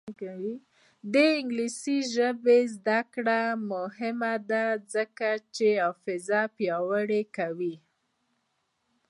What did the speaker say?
د انګلیسي ژبې زده کړه مهمه ده ځکه چې حافظه پیاوړې کوي.